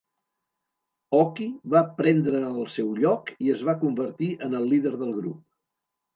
Ohki va prendre el seu lloc i es va convertir en el líder del grup.